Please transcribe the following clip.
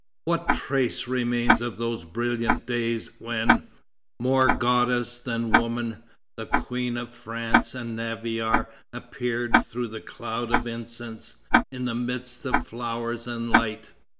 What trace remains of those brilliant days when, more goddess than woman, the Queen of France and Navarre appeared through a cloud of incense, in the midst of flowers and light?